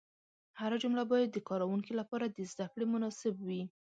هره جمله باید د کاروونکي لپاره د زده کړې مناسب وي.